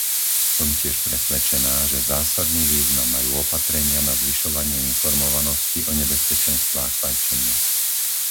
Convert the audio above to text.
Som tiež presvedčená, že zásadný význam majú opatrenia na zvyšovanie informovanosti o nebezpečenstvách fajčenia.